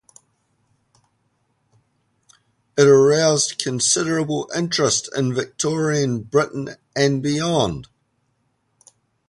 It aroused considerable interest in Victorian Britain and beyond.